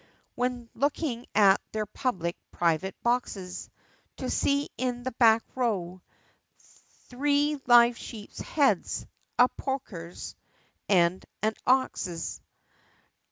When looking at their public private boxes, To see in the back row Three live sheep's heads, a porker's, and an Ox's!